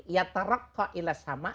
ya tarakka ila sama